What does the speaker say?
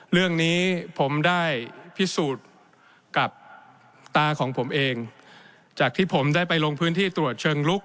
เรื่องนี้ผมได้พิสูจน์กับตาของผมเองจากที่ผมได้ไปลงพื้นที่ตรวจเชิงลุก